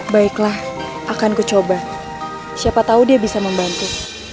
baiklah akan kucoba siapa tahu dia bisa membantu